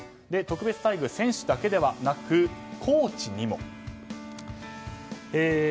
特別待遇は選手だけではなくコーチにも。